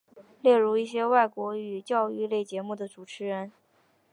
例如一些外国语教育类节目的主持人。